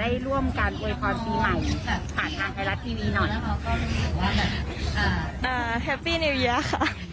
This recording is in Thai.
ได้ร่วมการอวยพรปีใหม่ผ่านตอนไทยรัตที่ดีหน่อยเอ่อค่ะ